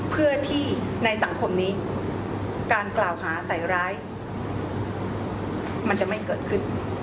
เพื่อที่ในสังคมนี้การกล่าวหาใส่ร้ายมันจะไม่เกิดขึ้น